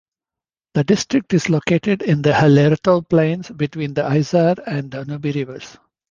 The district is located in the Hallertau Plains between the Isar and Danube rivers.